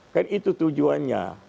kan itu tujuannya